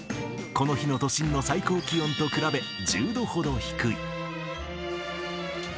この日の都心の最高気温と比べ１０度ほど低い。